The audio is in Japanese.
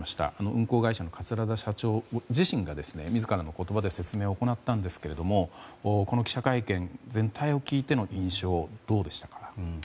運航会社の桂田社長ご自身が自らの言葉で説明を行ったんですけどこの記者会見の全体を聞いての印象はどうでしたか？